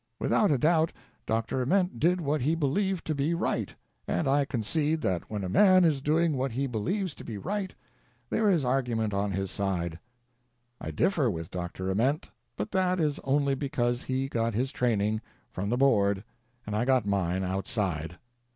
Without a doubt, Dr. Ament did what he believed to be right, and I concede that when a man is doing what he believes to be right, there is argument on his side. I differ with Dr. Ament, but that is only because he got his training from the Board and I got mine outside.